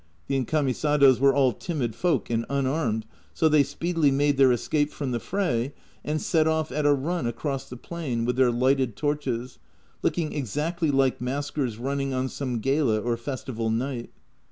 The encamisados were all timid folk and unarmed, so they speedily made their escape from the fray and set off at a run across the plain with their lighted torches, looking exactly like maskers running on some gala or festival night.